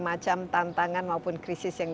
macam tantangan maupun krisis yang